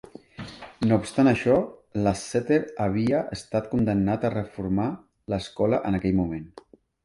No obstant això, Lasseter havia estat condemnat a reformar l'escola en aquell moment.